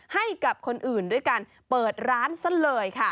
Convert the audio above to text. ให้กับคนอื่นด้วยการเปิดร้านซะเลยค่ะ